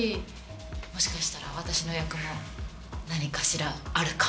もしかしたら私の役も何かしらあるかも？